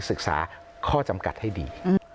ศึกษาข้อจำกัดให้ดี